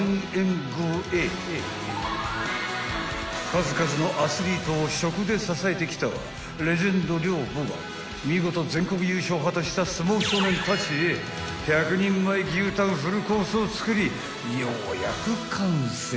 ［数々のアスリートを食で支えてきたレジェンド寮母が見事全国優勝を果たした相撲少年たちへ１００人前牛タンフルコースを作りようやく完成］